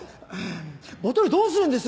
ボトルどうするんです！